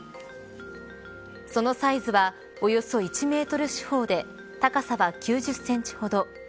そのサイズはおよそ１メートル四方で高さは９０センチほど。